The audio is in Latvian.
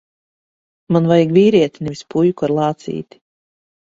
Man vajag vīrieti, nevis puiku ar lācīti.